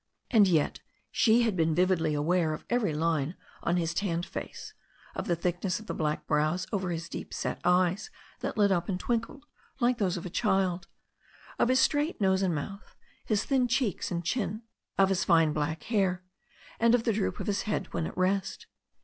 And yet she had been vividly aware of every line on his tanned face, of the thick ness of the black brows over his deep set eyes that lit up i62 THE STORY OF A NEW ZEALAND BIVEH and twinkled like those of a child, of his straight nose and mouth, his thin cheeks and chin, of his fine black hair, and of the droop of his head when at rest.